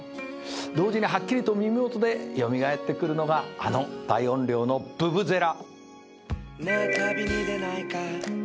同時にはっきりと耳元で蘇ってくるのがあの大音量のブブゼラ。